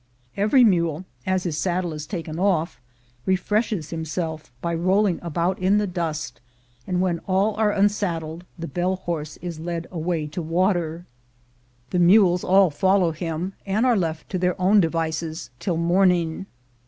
Every mule, as his saddle is taken off, refreshes himself by rolling about in the dust; and when all are unsaddled, the bell horse is led away to water. The 194. THE GOLD HUNTERS mules all follow him, and are left to their own de vices till morning.